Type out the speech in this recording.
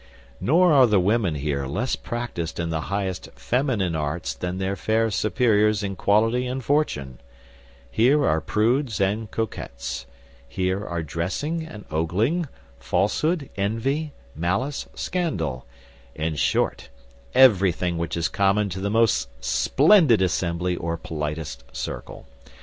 Nor are the women here less practised in the highest feminine arts than their fair superiors in quality and fortune. Here are prudes and coquettes. Here are dressing and ogling, falsehood, envy, malice, scandal; in short, everything which is common to the most splendid assembly, or politest circle.